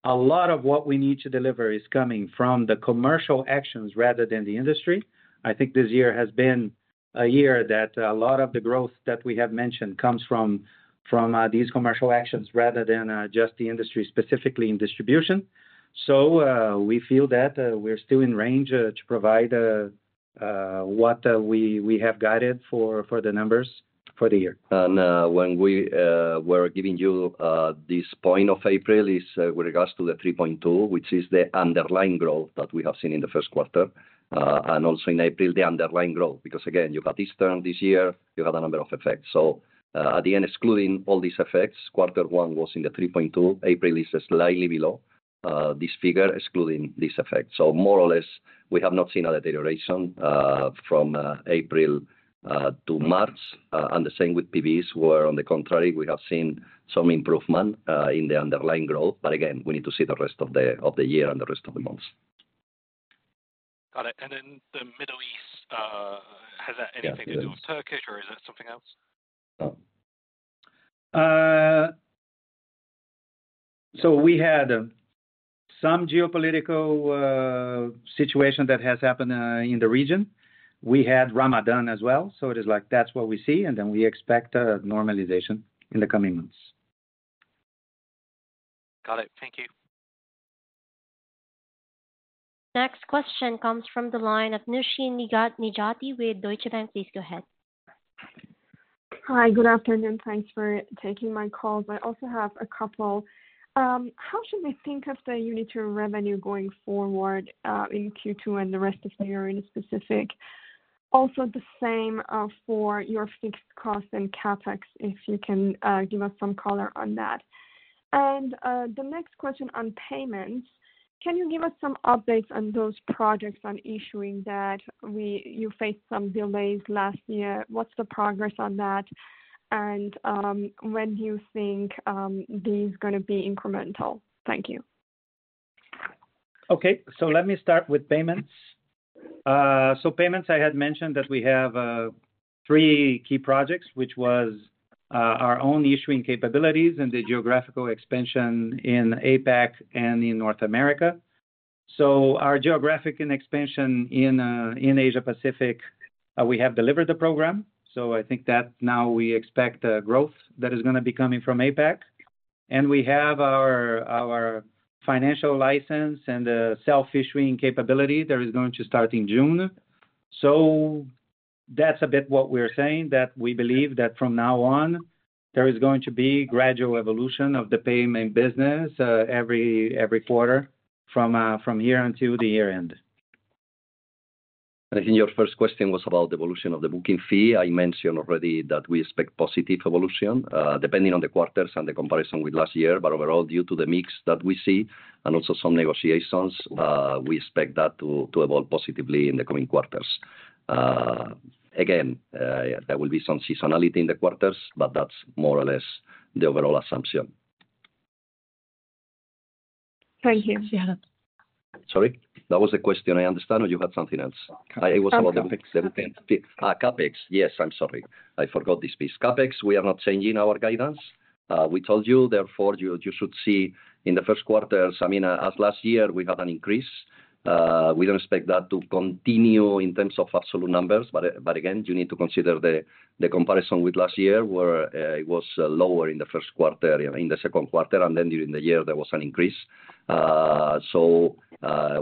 Speaker 3: a lot of what we need to deliver is coming from the commercial actions rather than the industry. I think this year has been a year that a lot of the growth that we have mentioned comes from these commercial actions rather than just the industry specifically in distribution. We feel that we're still in range to provide what we have guided for the numbers for the year.
Speaker 1: When we were giving you this point of April, it is with regards to the 3.2, which is the underlying growth that we have seen in the first quarter. Also, in April, the underlying growth, because again, you got this term this year, you got a number of effects. At the end, excluding all these effects, quarter one was in the 3.2. April is slightly below this figure, excluding these effects. More or less, we have not seen a deterioration from April to March. The same with PBs, where on the contrary, we have seen some improvement in the underlying growth. Again, we need to see the rest of the year and the rest of the months.
Speaker 10: Got it. And then the Middle East, has that anything to do with Turkish or is that something else?
Speaker 3: We had some geopolitical situation that has happened in the region. We had Ramadan as well. It is like that's what we see. We expect normalization in the coming months.
Speaker 10: Got it. Thank you.
Speaker 5: Next question comes from the line of Nooshin Nejati with Deutsche Bank. Please go ahead.
Speaker 11: Hi, good afternoon. Thanks for taking my call. I also have a couple. How should we think of the unitary revenue going forward in Q2 and the rest of the year in specific? Also the same for your fixed costs and CapEx, if you can give us some color on that. The next question on payments, can you give us some updates on those projects on issuing that you faced some delays last year? What's the progress on that? When do you think these are going to be incremental? Thank you.
Speaker 3: Okay. Let me start with payments. Payments, I had mentioned that we have three key projects, which was our own issuing capabilities and the geographical expansion in APAC and in North America. Our geographic expansion in Asia-Pacific, we have delivered the program. I think that now we expect growth that is going to be coming from APAC. We have our financial license and the self-issuing capability that is going to start in June. That's a bit what we're saying, that we believe that from now on, there is going to be gradual evolution of the payment business every quarter from here until the year end.
Speaker 1: I think your first question was about the evolution of the booking fee. I mentioned already that we expect positive evolution depending on the quarters and the comparison with last year. Overall, due to the mix that we see and also some negotiations, we expect that to evolve positively in the coming quarters. There will be some seasonality in the quarters, but that is more or less the overall assumption.
Speaker 11: Thank you.
Speaker 1: Sorry? That was a question. I understand, or you had something else? It was about the booking fee. CapEx, yes. I'm sorry. I forgot this piece. CapEx, we are not changing our guidance. We told you, therefore, you should see in the first quarter, I mean, as last year, we had an increase. We don't expect that to continue in terms of absolute numbers. Again, you need to consider the comparison with last year where it was lower in the first quarter, in the second quarter, and then during the year, there was an increase.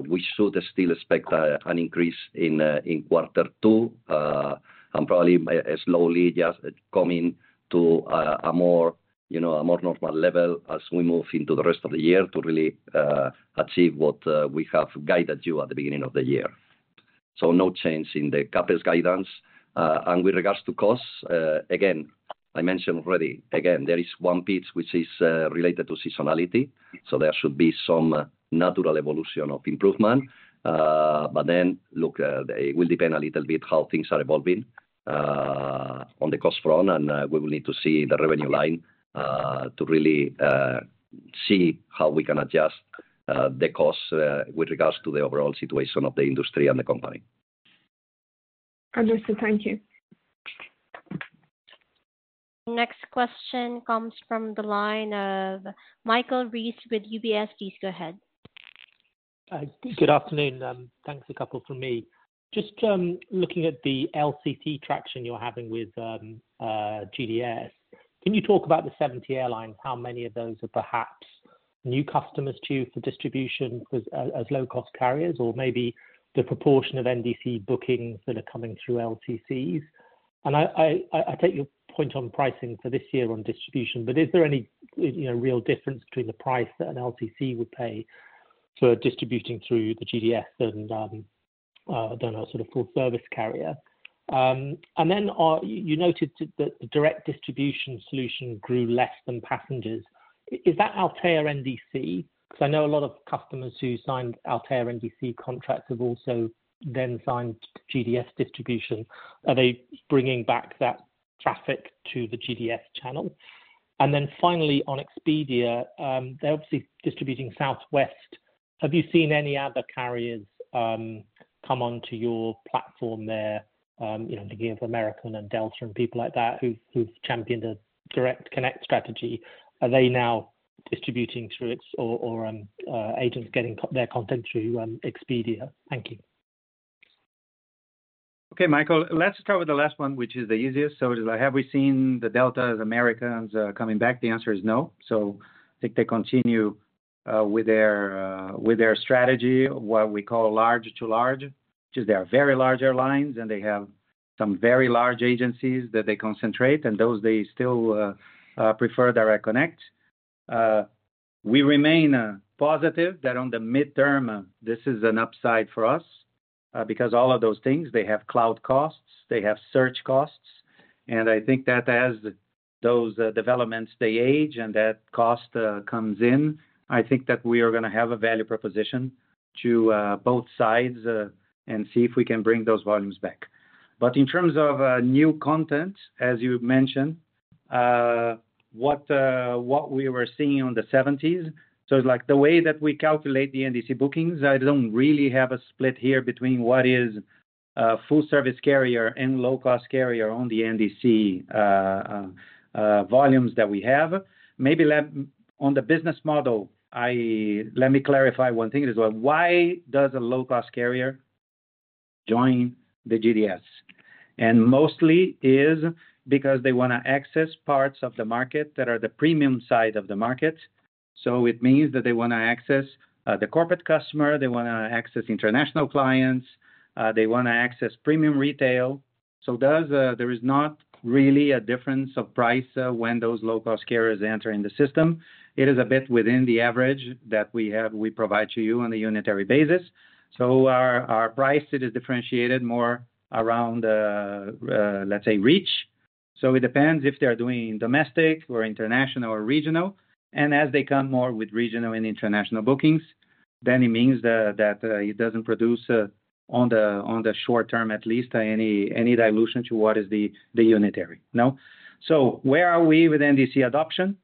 Speaker 1: We should still expect an increase in quarter two and probably slowly just coming to a more normal level as we move into the rest of the year to really achieve what we have guided you at the beginning of the year. No change in the CapEx guidance. With regards to costs, again, I mentioned already, there is one piece which is related to seasonality. There should be some natural evolution of improvement. It will depend a little bit how things are evolving on the cost front, and we will need to see the revenue line to really see how we can adjust the costs with regards to the overall situation of the industry and the company.
Speaker 11: Understood. Thank you.
Speaker 5: Next question comes from the line of Michael Briest with UBS. Please go ahead.
Speaker 12: Good afternoon. Thanks, a couple from me. Just looking at the LCC traction you're having with GDS, can you talk about the 70 airlines, how many of those are perhaps new customers to you for distribution as low-cost carriers, or maybe the proportion of NDC bookings that are coming through LCCs? I take your point on pricing for this year on distribution, but is there any real difference between the price that an LCC would pay for distributing through the GDS and then a sort of full-service carrier? You noted that the direct distribution solution grew less than passengers. Is that Altéa NDC? Because I know a lot of customers who signed Altéa NDC contracts have also then signed GDS distribution. Are they bringing back that traffic to the GDS channel? Finally, on Expedia, they're obviously distributing Southwest. Have you seen any other carriers come onto your platform there, like American and Delta and people like that who've championed a direct connect strategy? Are they now distributing through it or are agents getting their content through Expedia? Thank you.
Speaker 3: Okay, Michael, let's start with the last one, which is the easiest. It is like, have we seen the Deltas, Americans coming back? The answer is no. I think they continue with their strategy, what we call large to large, which is they are very large airlines and they have some very large agencies that they concentrate, and those they still prefer direct connect. We remain positive that on the midterm, this is an upside for us because all of those things, they have cloud costs, they have search costs. I think that as those developments, they age and that cost comes in, I think that we are going to have a value proposition to both sides and see if we can bring those volumes back. In terms of new content, as you mentioned, what we were seeing on the 70s, it is like the way that we calculate the NDC bookings. I do not really have a split here between what is full-service carrier and low-cost carrier on the NDC volumes that we have. Maybe on the business model, let me clarify one thing. It is why does a low-cost carrier join the GDS? Mostly it is because they want to access parts of the market that are the premium side of the market. It means that they want to access the corporate customer, they want to access international clients, they want to access premium retail. There is not really a difference of price when those low-cost carriers enter in the system. It is a bit within the average that we provide to you on the unitary basis. Our price, it is differentiated more around, let's say, reach. It depends if they're doing domestic or international or regional. As they come more with regional and international bookings, then it means that it does not produce on the short term, at least, any dilution to what is the unitary. Where are we with NDC adoption?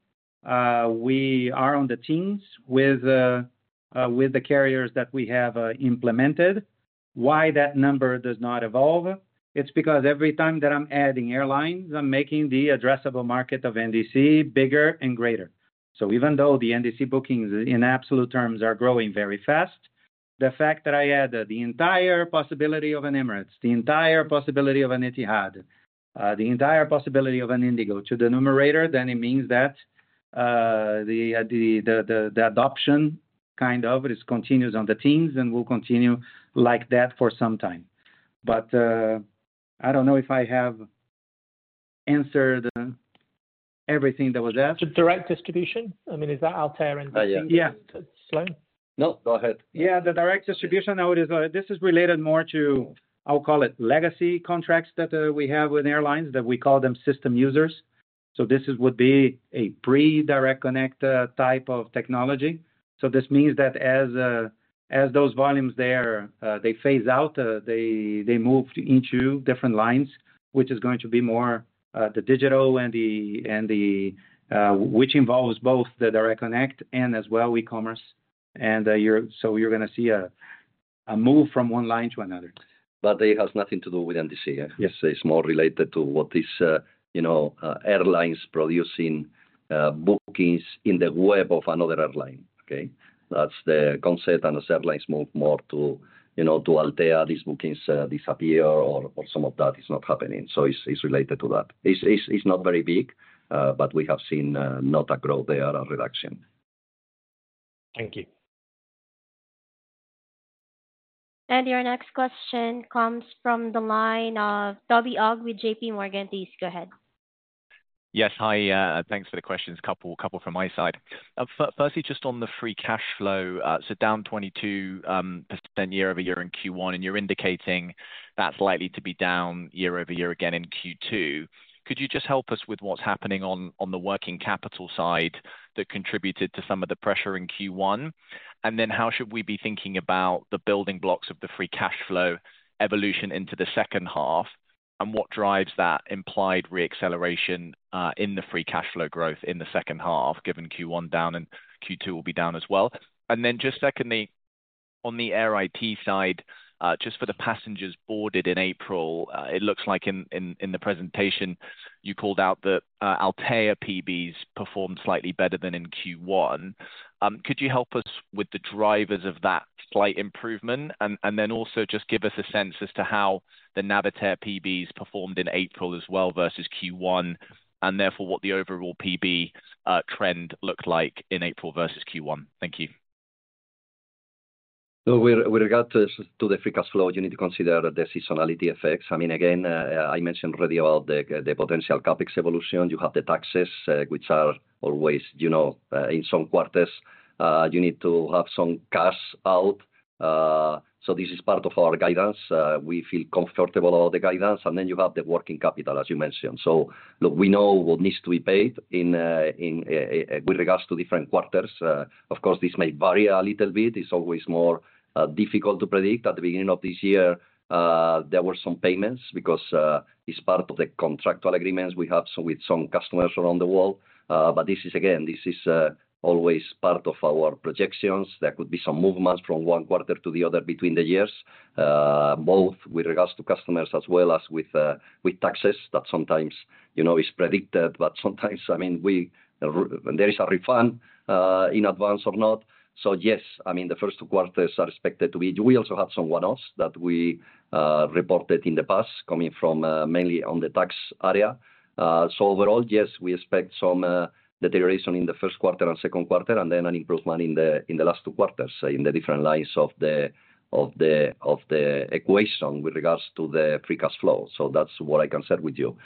Speaker 3: We are on the teens with the carriers that we have implemented. Why that number does not evolve? It's because every time that I'm adding airlines, I'm making the addressable market of NDC bigger and greater. Even though the NDC bookings in absolute terms are growing very fast, the fact that I add the entire possibility of an Emirates, the entire possibility of an Etihad, the entire possibility of an IndiGo to the numerator, it means that the adoption kind of continues on the teens and will continue like that for some time. I do not know if I have answered everything that was asked.
Speaker 12: The direct distribution, I mean, is that Altéa NDC?
Speaker 3: Yeah.
Speaker 12: Slow?
Speaker 1: No, go ahead.
Speaker 3: Yeah, the direct distribution, this is related more to, I'll call it legacy contracts that we have with airlines that we call them system users. This would be a pre-Direct Connect type of technology. This means that as those volumes there, they phase out, they move into different lines, which is going to be more the digital and which involves both the direct connect and as well e-commerce. You are going to see a move from one line to another.
Speaker 1: It has nothing to do with NDC. It's more related to what these airlines producing bookings in the web of another airline. Okay? That's the concept and those airlines move more to Altéa, these bookings disappear or some of that is not happening. It is related to that. It's not very big, but we have seen not a growth there, a reduction.
Speaker 12: Thank you.
Speaker 5: Your next question comes from the line of Toby Ogg with JPMorgan. Please go ahead.
Speaker 13: Yes, hi. Thanks for the questions. Couple from my side. Firstly, just on the free cash flow, so down 22% year over year in Q1, and you're indicating that's likely to be down year over year again in Q2. Could you just help us with what's happening on the working capital side that contributed to some of the pressure in Q1? Could you also help us with how we should be thinking about the building blocks of the free cash flow evolution into the second half? What drives that implied re-acceleration in the free cash flow growth in the second half, given Q1 down and Q2 will be down as well? Secondly, on the air IT side, just for the passengers boarded in April, it looks like in the presentation, you called out that Altéa PBs performed slightly better than in Q1. Could you help us with the drivers of that slight improvement? Could you also just give us a sense as to how the Navitaire PBs performed in April as well versus Q1, and therefore what the overall PB trend looked like in April versus Q1? Thank you.
Speaker 1: With regard to the free cash flow, you need to consider the seasonality effects. I mean, again, I mentioned already about the potential CapEx evolution. You have the taxes, which are always in some quarters. You need to have some cash out. This is part of our guidance. We feel comfortable about the guidance. Then you have the working capital, as you mentioned. Look, we know what needs to be paid with regards to different quarters. Of course, this may vary a little bit. It's always more difficult to predict. At the beginning of this year, there were some payments because it's part of the contractual agreements we have with some customers around the world. This is, again, always part of our projections. There could be some movements from one quarter to the other between the years, both with regards to customers as well as with taxes that sometimes is predicted, but sometimes, I mean, there is a refund in advance or not. Yes, I mean, the first two quarters are expected to be. We also have some one-offs that we reported in the past coming from mainly on the tax area. Overall, yes, we expect some deterioration in the first quarter and second quarter, and then an improvement in the last two quarters in the different lines of the equation with regards to the free cash flow. That's what I can share with you.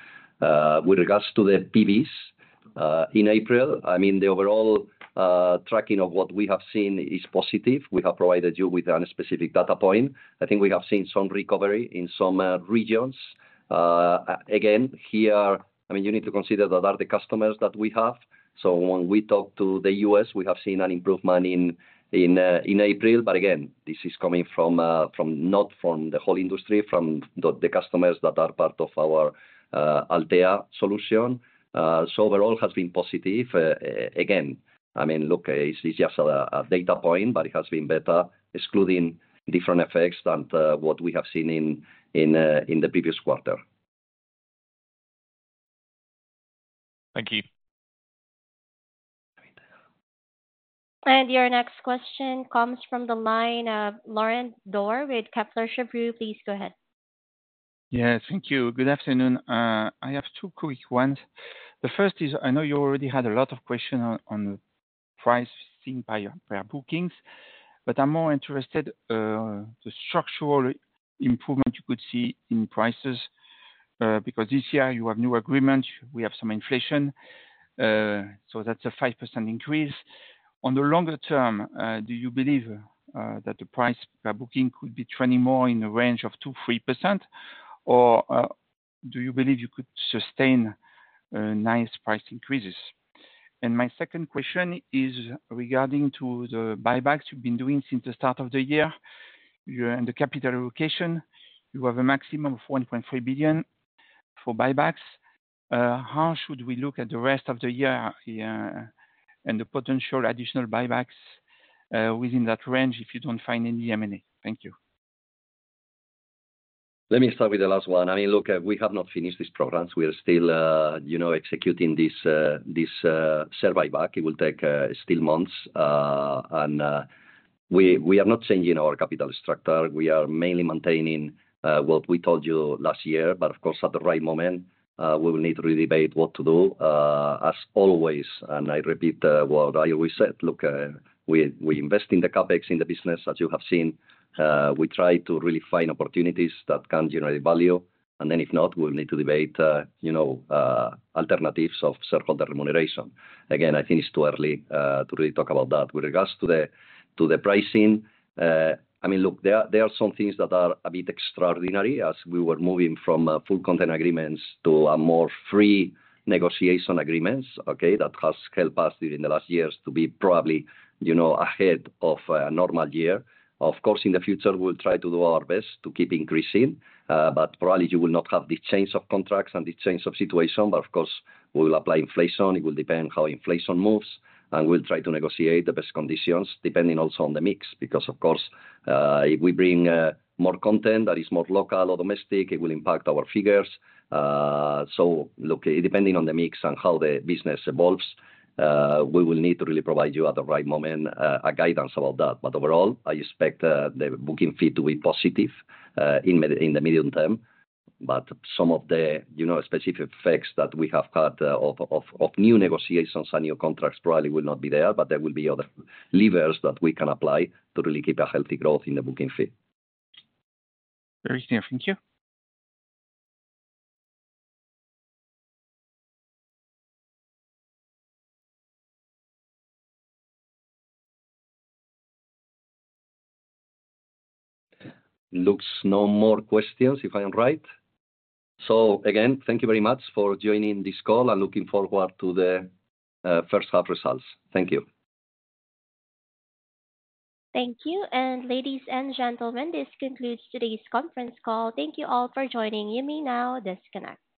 Speaker 1: With regards to the PBs in April, I mean, the overall tracking of what we have seen is positive. We have provided you with a specific data point. I think we have seen some recovery in some regions. Again, here, I mean, you need to consider that are the customers that we have. So when we talk to the U.S., we have seen an improvement in April. Again, this is coming not from the whole industry, from the customers that are part of our Altéa solution. Overall, it has been positive. Again, I mean, look, it's just a data point, but it has been better excluding different effects than what we have seen in the previous quarter.
Speaker 13: Thank you.
Speaker 5: Your next question comes from the line of Laurent Daure with Kepler Cheuvreux. Please go ahead.
Speaker 14: Yes, thank you. Good afternoon. I have two quick ones. The first is I know you already had a lot of questions on the pricing per bookings, but I'm more interested in the structural improvement you could see in prices because this year you have new agreements. We have some inflation. So that's a 5% increase. On the longer term, do you believe that the price per booking could be trending more in the range of 2%, 3%, or do you believe you could sustain nice price increases? My second question is regarding to the buybacks you've been doing since the start of the year and the capital allocation. You have a maximum of 1.3 billion for buybacks. How should we look at the rest of the year and the potential additional buybacks within that range if you don't find any M&A? Thank you.
Speaker 1: Let me start with the last one. I mean, look, we have not finished this program. We are still executing this survey back. It will take still months. We are not changing our capital structure. We are mainly maintaining what we told you last year. Of course, at the right moment, we will need to really debate what to do. As always, and I repeat what I always said, look, we invest in the CapEx, in the business, as you have seen. We try to really find opportunities that can generate value. If not, we will need to debate alternatives of shareholder remuneration. Again, I think it is too early to really talk about that. With regards to the pricing, I mean, look, there are some things that are a bit extraordinary as we were moving from full content agreements to more free negotiation agreements, okay, that has helped us during the last years to be probably ahead of a normal year. Of course, in the future, we'll try to do our best to keep increasing, but probably you will not have this change of contracts and this change of situation. Of course, we will apply inflation. It will depend how inflation moves. We'll try to negotiate the best conditions depending also on the mix because, of course, if we bring more content that is more local or domestic, it will impact our figures. Look, depending on the mix and how the business evolves, we will need to really provide you at the right moment guidance about that. Overall, I expect the booking fee to be positive in the medium term. Some of the specific effects that we have had of new negotiations and new contracts probably will not be there, but there will be other levers that we can apply to really keep a healthy growth in the booking fee.
Speaker 14: Very clear. Thank you.
Speaker 1: Looks no more questions if I am right. Again, thank you very much for joining this call and looking forward to the first half results. Thank you.
Speaker 2: Thank you. Ladies and gentlemen, this concludes today's conference call. Thank you all for joining. You may now disconnect.